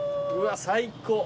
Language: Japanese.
最高。